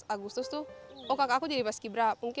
tujuh belas agustus tuh oh kakak aku jadi paskibrah